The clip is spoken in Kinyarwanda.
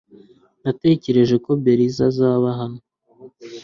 Natekereje ko Belise azaba hano .